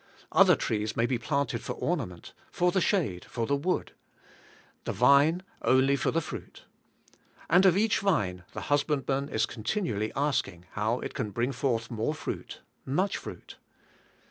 Other trees may be planted for ornament, for the shade, for the wood, — the vine only for the fruit. And of each vine the husbandman is continually asking how it can bring forth more fruit, much fruit.